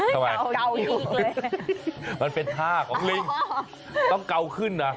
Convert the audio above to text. ทำไมมันเป็นท่าของลิงต้องเกาขึ้นนะ